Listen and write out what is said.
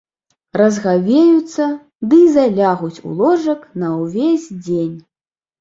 Разгавеюцца ды й залягуць у ложак на ўвесь дзень.